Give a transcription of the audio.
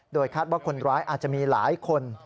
คาดว่าคนร้ายอาจจะมีหลายคน